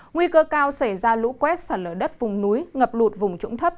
nguy cơ cao xảy ra lũ quét sạt lở đất vùng núi ngập lụt vùng trũng thấp